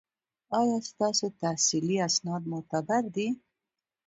ایا ستاسو تحصیلي اسناد معتبر دي؟